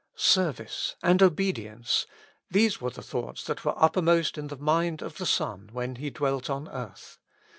Service and obedience, these were the thoughts that were uppermost in the mind of the Son when He dwelt upon earth.